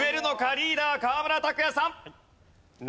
リーダー河村拓哉さん。